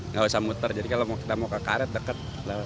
nggak usah muter jadi kalau kita mau ke karet deket